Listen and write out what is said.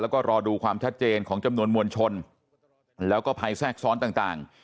แล้วก็รอดูความชัดเจนของจำนวนมวลชนแล้วก็ภัยแทรกซ้อนต่าง